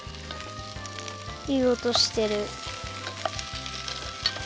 いいおとしてる。